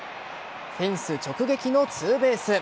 フェンス直撃のツーベース。